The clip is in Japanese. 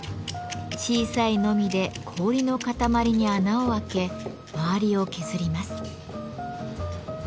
小さいノミで氷の塊に穴を開け周りを削ります。